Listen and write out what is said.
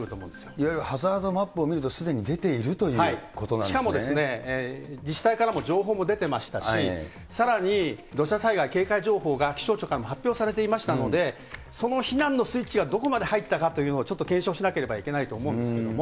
いわゆるハザードマップを見るとすでに出ているということなしかも自治体からも情報も出てましたし、さらに土砂災害警戒情報が気象庁からも発表されていましたので、その避難のスイッチがどこまで入ったかというのをちょっと検証しなければいけないと思うんですけれども。